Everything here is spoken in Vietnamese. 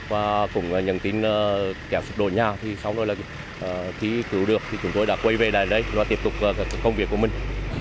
và cũng nhận tin kẻ sụp đổ nhà thì sau đó là khi cứu được thì chúng tôi đã quay về đây và tiếp tục công việc của mình